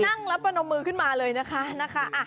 นั่งแล้วประนมมือขึ้นมาเลยนะคะ